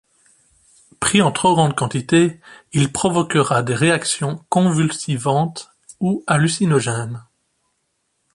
Pris en trop grande quantité, il provoquera des réactions convulsivantes ou hallucinogènes.